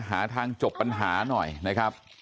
หาทางจบปัญหาหน่อยนะครับ